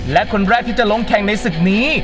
และคนแรกที่จะลงแข่งในศึกนี้